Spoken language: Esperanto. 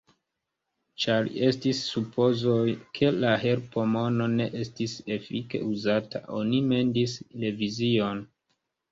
Ĉar estis supozoj, ke la helpmono ne estis efike uzata, oni mendis revizion.